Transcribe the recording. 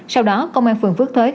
sau đó công an phường phước thới